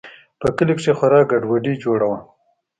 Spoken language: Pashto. په کلي کښې خورا گډوډي جوړه وه.